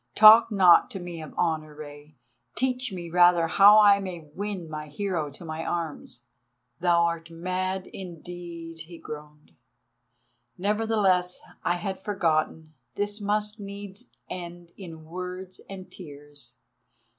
Talk not to me of honour, Rei, teach me rather how I may win my hero to my arms." "Thou art mad indeed," he groaned; "nevertheless—I had forgotten—this must needs end in words and tears.